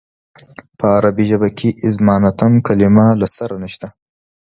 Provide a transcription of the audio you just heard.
په عربي ژبه کې اظماننتم کلمه له سره نشته.